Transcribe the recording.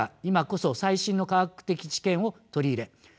今こそ最新の科学的知見を取り入れ